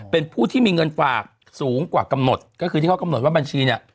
เป็นผู้ที่มีเงินฝากสูงกว่ากำหนดก็คือที่เขากำหนดว่าบัญชีเนี่ย